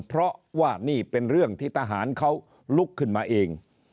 เพราะว่านี่เป็นเรื่องที่ทหารเขาลุกขึ้นมาเอง